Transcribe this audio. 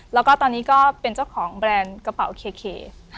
แล้วก็ตอนนี้ก็เป็นเจ้าของแบรนด์กระเป๋าเค